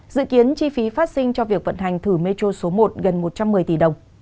dự kiến chi phí phát sinh cho việc vận hành thử metro số một gần một trăm một mươi tỷ đồng